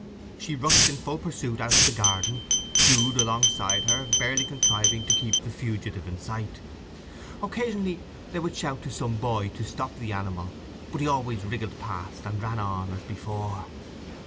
She rushed in full pursuit out of the garden, Jude alongside her, barely contriving to keep the fugitive in sight. Occasionally they would shout to some boy to stop the animal, but he always wriggled past and ran on as before.